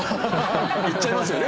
いっちゃいますよね。